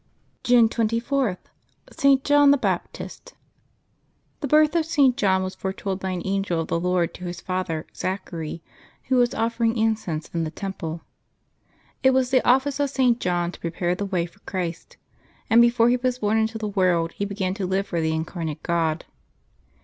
June 24.— ST. JOHN THE BAPTIST. J^nHE birth of St. John was foretold by an angel of the ^/ Lord to his father, Zachary, who was offering in cense in the Temple. It was the office of St. John to pre pare the way for Christ, and before he was born into the world he began to live for the Incarnate God.